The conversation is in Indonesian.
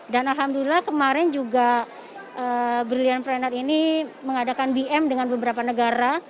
dan alhamdulillah kemarin juga brilliantpreneur ini mengadakan bm dengan beberapa negara